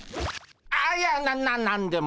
あっいやな何でも。